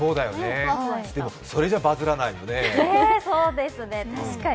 でも、それじゃバズらないよね。